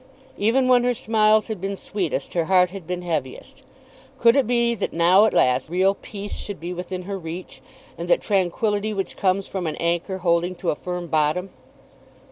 Even when her smiles had been sweetest her heart had been heaviest. Could it be that now at last real peace should be within her reach, and that tranquillity which comes from an anchor holding to a firm bottom?